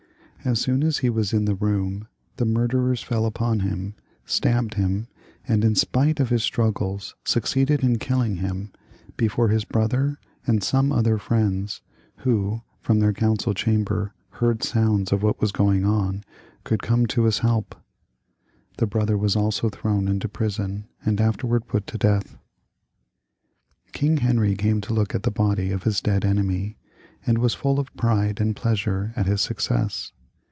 As soon as he was in the room, the murderers feU upon him, stabbed him, and in spite of his struggles succeeded in killing him before his brother and some other friends, who from their council chamber heard sounds of what was going on, could come to his help. The brother was also thrown into prison and afterwards put to death. King Henry came to look at the body of his dead enemy, and was full of pride and pleasure at his success.